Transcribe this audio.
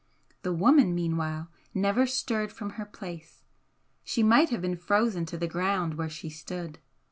The woman meanwhile never stirred from her place she might have been frozen to the ground where she stood.